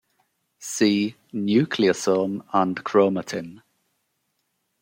See: nucleosome and chromatin.